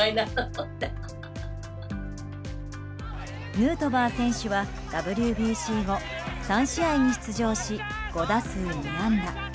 ヌートバー選手はＷＢＣ後３試合に出場し５打数２安打。